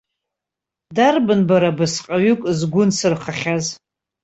Дарбан бара абасҟаҩык згәы нсырхахьаз?